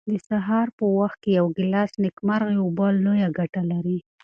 د سهار په وخت کې یو ګیلاس نیمګرمې اوبه لویه ګټه لري.